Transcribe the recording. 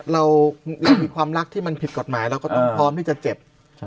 เรามีความรักที่มันผิดกฎหมายเราก็ต้องพร้อมที่จะเจ็บ